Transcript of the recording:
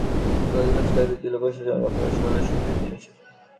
গাছের নিচে পাহাড়ের ঢালুতে বসবাসকারীদের জেলা প্রশাসন গতকাল সকালে সরিয়ে নিয়েছে।